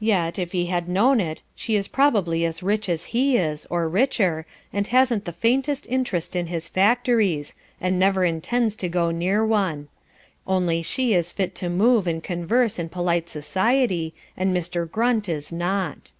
Yet if he had known it she is probably as rich as he is, or richer, and hasn't the faintest interest in his factories, and never intends to go near one. Only she is fit to move and converse in polite society and Mr. Grunt is not.